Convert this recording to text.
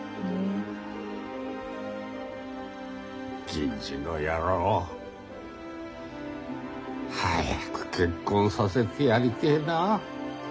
銀次の野郎早く結婚させてやりてえなあ。